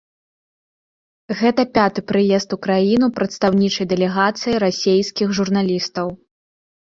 Гэта пяты прыезд у краіну прадстаўнічай дэлегацыі расейскіх журналістаў.